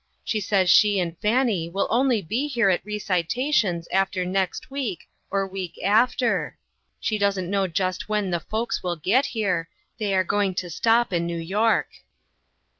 She says she and Fannie will only be here at recitations after next week or week after. She doesn't know just when the folks will get here , they are going to stop in New York."